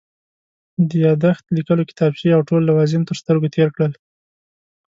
د یادښت لیکلو کتابچې او ټول لوازم تر سترګو تېر کړل.